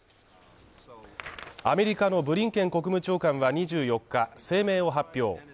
アメリカのブリンケン国務長官は２４日、声明を発表。